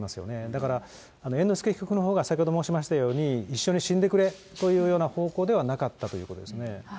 だから猿之助被告のほうが、先ほど申しましたように一緒に死んでくれというような方向ではなかったということですね。